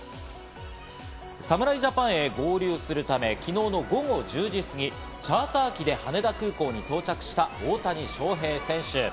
侍ジャパンへ合流するため、昨日の午後１０時過ぎ、チャーター機で羽田空港に到着した、大谷翔平選手。